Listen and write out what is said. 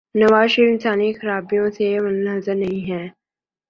نوازشریف انسانی خرابیوں سے منزہ نہیں ہیں۔